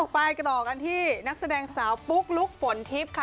ไปต่อกันที่นักแสดงสาวปุ๊กลุ๊กฝนทิพย์ค่ะ